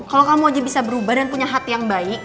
kalau kamu aja bisa berubah dan punya hati yang baik